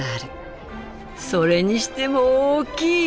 それにしても大きい！